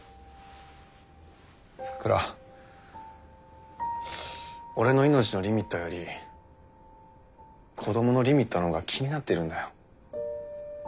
咲良は俺の命のリミットより子どものリミットのほうが気になってるんだよ。